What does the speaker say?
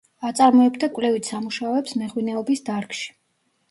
აწარმოებდა კვლევით სამუშაოებს მეღვინეობის დარგში.